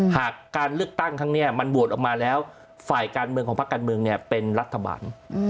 หากการเลือกตั้งครั้งนี้มันโหวตออกมาแล้วฝ่ายการเมืองของพักการเมืองเนี่ยเป็นรัฐบาล